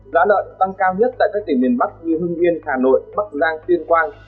giá lợn tăng cao nhất tại các tỉnh miền bắc như hưng yên hà nội bắc giang tuyên quang